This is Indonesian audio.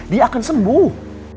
dia akan sembuh